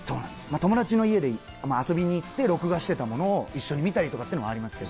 友達の家に遊びに行って、録画してたものを一緒に見たりとかっていうのはありましたけど。